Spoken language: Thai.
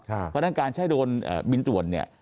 เพราะฉะนั้นการใช้โดรนบินตรวจเนี่ย